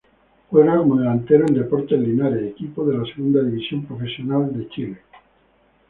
Juega como delantero en Deportes Linares, equipo de la Segunda División Profesional de Chile.